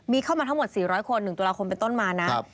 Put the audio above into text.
มีเข้ามาทั้งหมด๔๐๐คน๑ตุลาคมเป็นต้นมานะ